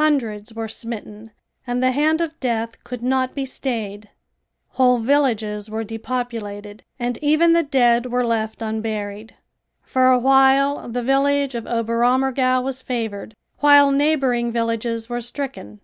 Hundreds were smitten and the hand of death could not be stayed. Whole villages were depopulated and even the dead were left unburied. For a while the village of Oberammergau was favored, while neighboring villages were stricken.